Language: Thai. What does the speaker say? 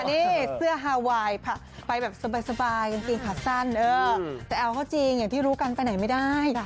นี่เสื้อฮาไวน์ไปแบบสบายกางเกงขาสั้นแต่เอาเขาจริงอย่างที่รู้กันไปไหนไม่ได้